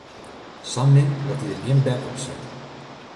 Sa min dat dy der gjin bek op set.